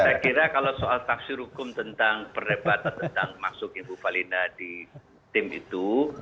saya kira kalau soal taksir hukum tentang perdebatan tentang masuk ibu falina di tim itu